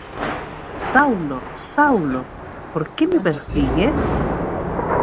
Saulo, Saulo, ¿por qué me persigues?